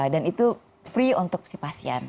dan itu free untuk si pasien